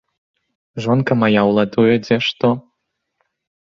Жонка мая ўладуе дзе што.